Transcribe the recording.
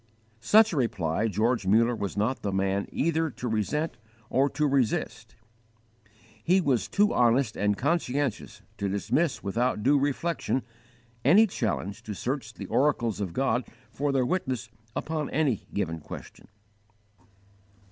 "_ Such a reply George Muller was not the man either to resent or to resist. He was too honest and conscientious to dismiss without due reflection any challenge to search the oracles of God for their witness upon any given question.